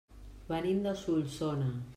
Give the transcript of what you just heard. Venim de Solsona.